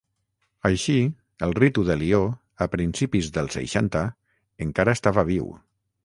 Així, el ritu de Lió, a principis dels seixanta, encara estava viu.